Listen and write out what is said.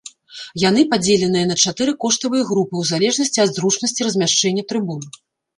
Яны падзеленыя на чатыры коштавыя групы ў залежнасці ад зручнасці размяшчэння трыбун.